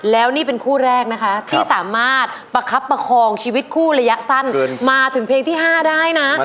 แล้วนี่เป็นคู่แรกนะคะที่สามารถประคับประคองชีวิตคู่ระยะสั้นมาถึงเพลงที่๕ได้นะ